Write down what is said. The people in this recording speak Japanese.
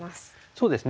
そうですね。